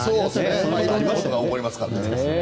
いろんなことが起こりますからね。